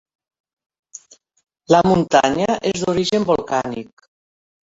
La muntanya és d'origen volcànic.